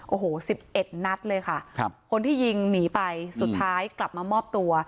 โอ้โห๑๑นัดเลยค่ะครับคนที่ยิงหนีไปสุดท้ายกลับมามอบตัว